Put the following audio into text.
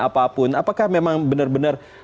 apapun apakah memang benar benar